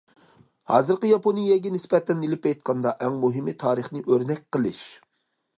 ھازىرقى ياپونىيەگە نىسبەتەن ئېلىپ ئېيتقاندا ئەڭ مۇھىمى تارىخنى ئۆرنەك قىلىش.